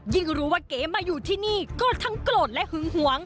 รู้ว่าเก๋มาอยู่ที่นี่ก็ทั้งโกรธและหึงหวง